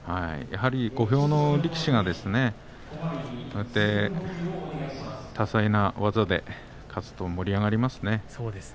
小兵の力士が多彩な技で勝つと盛り上がりますよね。